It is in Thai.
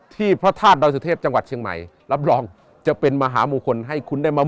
พระธาตุดอยสุเทพจังหวัดเชียงใหม่รับรองจะเป็นมหามงคลให้คุณได้มา